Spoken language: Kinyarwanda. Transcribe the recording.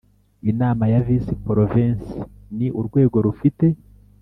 Inama ya Visi Porovensi ni urwego rufite